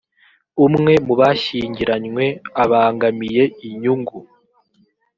umwe mu bashyingiranywe abangamiye inyungu